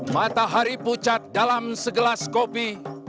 matahari pucat dalam segelas kopi